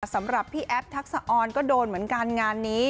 สำหรับพี่แอฟทักษะออนก็โดนเหมือนกันงานนี้